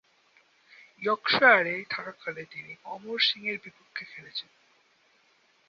ইয়র্কশায়ারে থাকাকালে তিনি অমর সিংয়ের বিপক্ষে খেলেছেন।